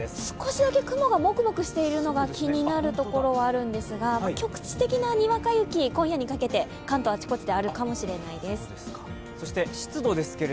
少しだけ雲がモクモクしているのが気になるところはあるんですが、局地的なにわか雪、今夜にかけて関東あちこちであるかもしれないです。